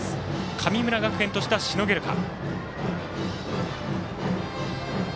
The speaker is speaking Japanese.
神村学園としては、しのげるか。